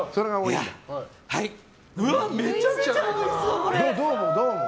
めちゃめちゃおいしそう！